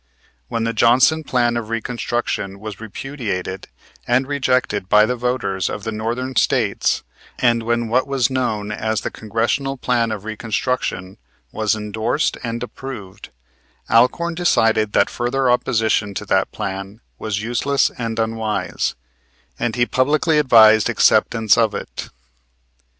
When the Johnson plan of Reconstruction was repudiated and rejected by the voters of the Northern States, and when what was known as the Congressional Plan of Reconstruction was endorsed and approved, Alcorn decided that further opposition to that plan was useless and unwise, and he publicly advised acceptance of it.